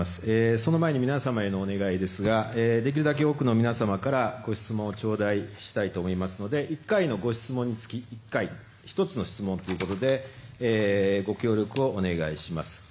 その前に皆様へのお願いですができるだけ多くの皆様からご質問を頂戴したいと思いますので１回のご質問につき１つの質問ということでご協力をお願いします。